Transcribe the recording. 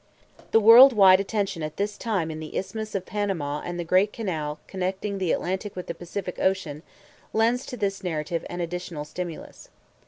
The world wide attention at this time in the Isthmus of Panama and the great canal connecting the Atlantic with the Pacific Ocean lends to this narrative an additional stimulus.